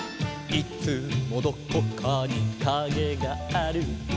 「いつもどこかにカゲがある」